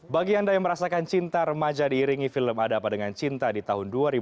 bagi anda yang merasakan cinta remaja diiringi film ada apa dengan cinta di tahun dua ribu dua